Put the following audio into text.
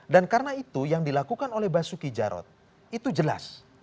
dan karena itu yang dilakukan oleh basuki jarod itu jelas